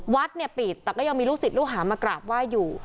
วัดเนี่ยปิดแต่ก็ยังมีลูกศิษย์ลูกหามากราบไหว้อยู่